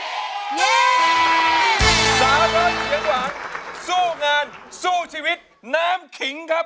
สาวร้อยเย็นหวังสู้งานสู้ชีวิตน้ำขิงครับ